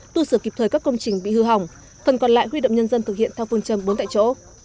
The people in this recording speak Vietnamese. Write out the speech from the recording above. tu sửa kịp thời các công trình bị hư hỏng phần còn lại huy động nhân dân thực hiện theo phương châm bốn tại chỗ